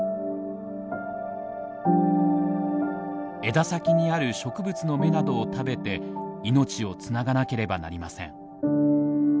枝先にある植物の芽などを食べて命をつながなければなりません。